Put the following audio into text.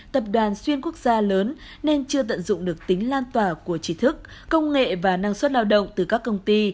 tập đoàn xuyên quốc gia lớn nên chưa tận dụng được tính lan tỏa của trí thức công nghệ và năng suất lao động từ các công ty